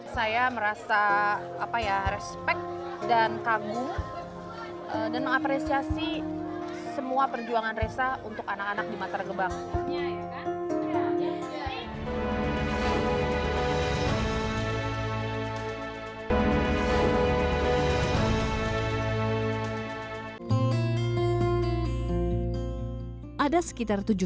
saya merasa respek dan kagum dan mengapresiasi semua perjuangan resa untuk anak anak di bantar gebang